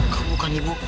kau bukan ibuku